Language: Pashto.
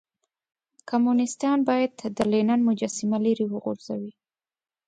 کمونيستان بايد د لينن مجسمه ليرې وغورځوئ.